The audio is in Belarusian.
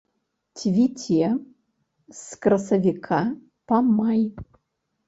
Цвіце з красавіка па май.